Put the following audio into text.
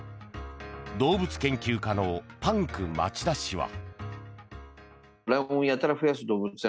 動物研究家のパンク町田氏は。